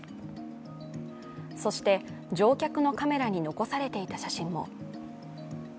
そして乗客のカメラに残されていた写真も。